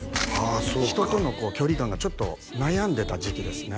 そうか人との距離感がちょっと悩んでた時期ですね